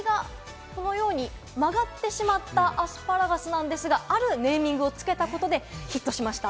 この先がこのように曲がってしまったアスパラガスなんですが、あるネーミングをつけたことでヒットしました。